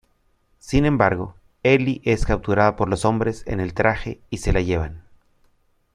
Sin embargo, Ellie es capturada por los hombres en traje y se la llevan.